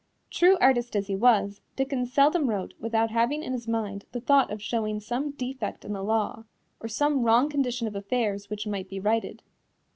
True artist as he was, Dickens seldom wrote without having in his mind the thought of showing some defect in the law, or some wrong condition of affairs which might be righted.